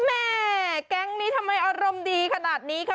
แม่แก๊งนี้ทำไมอารมณ์ดีขนาดนี้คะ